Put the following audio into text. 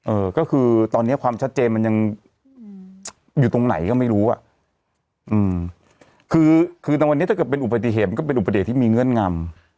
เออก็คือตอนนี้ความชัดเจนมันยังอยู่ตรงไหนก็ไม่รู้อ่ะคือตอนวันนี้ถ้าเกิดเป็นอุปสรรค์อุปสรรค์เหตุมันก็เป็นอุปสรรค์เหตุที่มีเงื่อนงำ